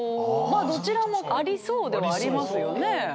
まあどちらもありそうではありますよね。